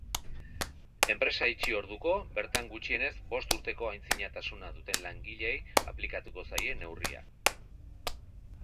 Enpresa itxi orduko bertan gutxienez bost urteko antzinatasuna duten langileei aplikatuko zaie neurria.